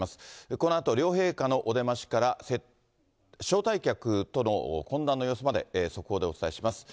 このあと、両陛下のお出ましから、招待客との懇談の様子まで、速報でお伝えします。